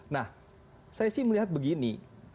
nah saya sih melihat begini